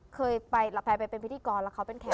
เคยไปเป็นพิธีกรแล้วเขาเป็นแขก